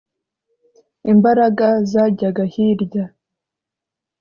imbaraga zajyaga hirya